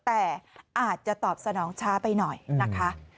แต่อาจจะตอบสนองช้าไปหน่อยนะคะ